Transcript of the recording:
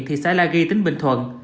thị xã la ghi tỉnh bình thuận